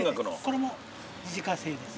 これも自家製です。